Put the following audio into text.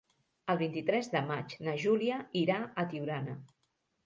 El vint-i-tres de maig na Júlia irà a Tiurana.